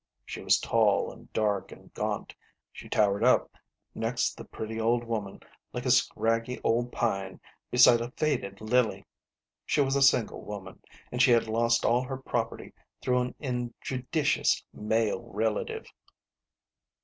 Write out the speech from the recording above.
She was tall and dark and gaunt; she towered up next the pretty old woman like a scraggy old pine be side a faded lily. She was a single woman, and she had lost all her property through an injudicious male relative.